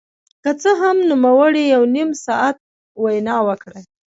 که څه هم نوموړي یو نیم ساعت وینا وکړه